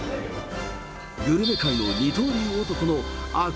グルメ界の二刀流男の飽く